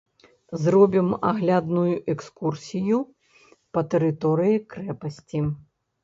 Зробім аглядную экскурсію па тэрыторыі крэпасці.